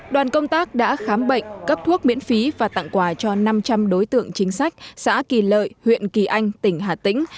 đoàn công tác đã khám bệnh cấp thuốc miễn phí và tặng quà cho năm trăm linh đối tượng chính sách xã kỳ lợi huyện kỳ anh tỉnh hà tĩnh